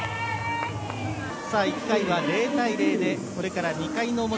１回は０対０でこれから２回の表。